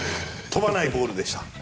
飛ばないボールでした。